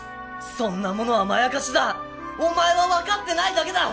そんなものはまやかしだお前は分かってないだけだ！